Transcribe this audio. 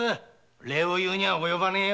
礼を言うにゃおよばねえよ。